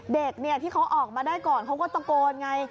เด็กที่เขาออกมาได้ก่อนเขาก็ตะโกนไง